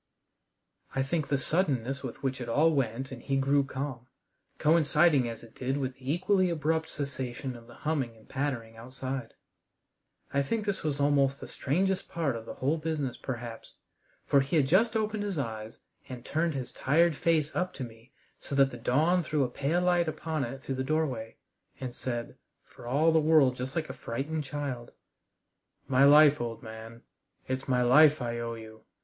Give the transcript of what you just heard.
I think the suddenness with which it all went and he grew calm, coinciding as it did with the equally abrupt cessation of the humming and pattering outside I think this was almost the strangest part of the whole business perhaps. For he just opened his eyes and turned his tired face up to me so that the dawn threw a pale light upon it through the doorway, and said, for all the world just like a frightened child: "My life, old man it's my life I owe you.